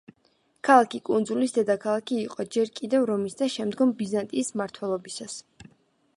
ქალაქი კუნძულის დედაქალაქი იყო ჯერ კიდევ რომის და შემდგომ ბიზანტიის მმართველობისას.